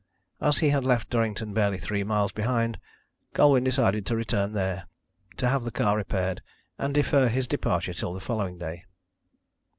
As he had left Durrington barely three miles behind Colwyn decided to return there, to have the car repaired, and defer his departure till the following day.